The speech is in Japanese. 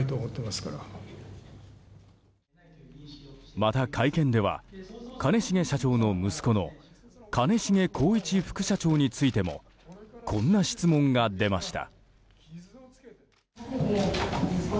また、会見では兼重社長の息子の兼重宏一副社長についてもこんな質問が出ました。